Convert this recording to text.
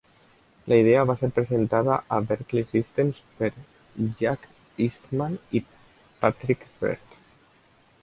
La idea va ser presentada a Berkeley Systems per Jack Eastman i Patrick Beard.